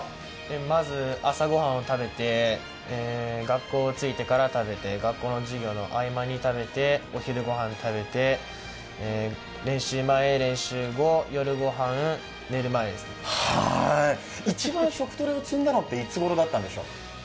まず朝ごはんを食べて学校に着いてから、食べて学校の授業の合間に食べてお昼御飯食べて練習前、練習後、夜御飯、寝る前です一番、食トレを積んだのっていつごろだったんでしょう？